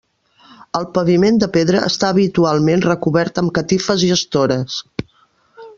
El paviment de pedra està habitualment recobert amb catifes i estores.